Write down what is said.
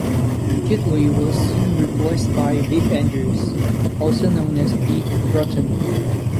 Kitley was soon replaced by Viv Andrews, also known as Viv Broughton.